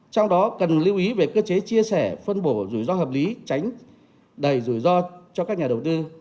trong đó cần lưu ý về cơ chế chia sẻ phân bổ rủi ro hợp lý tránh đầy rủi ro cho các nhà đầu tư